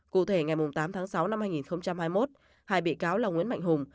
cụ thể ngày tám tháng sáu năm hai nghìn hai mươi một hai bị cáo là nguyễn mạnh hùng